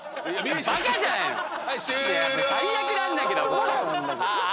最悪なんだけど！